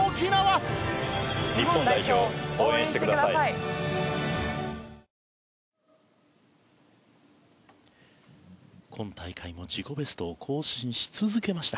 サントリー今大会も自己ベストを更新し続けました。